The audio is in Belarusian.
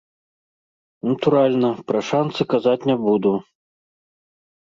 Натуральна, пра шанцы казаць не буду.